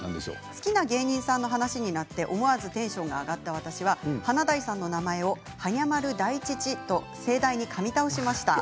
好きな芸人さんの話になって思わずテンションが上がった私は華大さんの名前をはにゃまる大吉とかみ倒しました。